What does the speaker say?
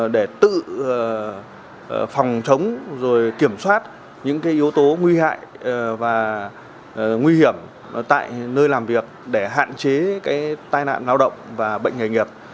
để tự phòng chống rồi kiểm soát những yếu tố nguy hại và nguy hiểm tại nơi làm việc để hạn chế tai nạn lao động và bệnh nghề nghiệp